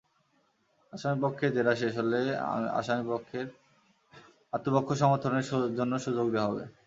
আসামিপক্ষের জেরা শেষ হলে আসামিপক্ষের আত্মপক্ষ সমর্থনের জন্য সুযোগ দেওয়া হবে।